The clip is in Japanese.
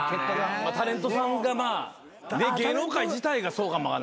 タレントさんがまあ芸能界自体がそうかも分かんないですね。